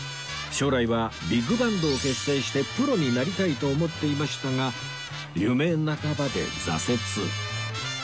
将来はビッグバンドを結成してプロになりたいと思っていましたが夢半ばで挫折